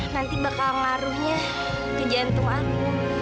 nanti bakal ngaruhnya ke jantung aku